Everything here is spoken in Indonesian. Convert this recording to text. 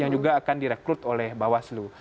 yang juga akan direkrut oleh bawaslu